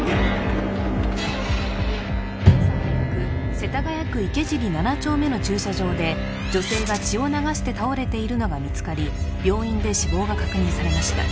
世田谷区池尻７丁目の駐車場で女性が血を流して倒れているのが見つかり病院で死亡が確認されました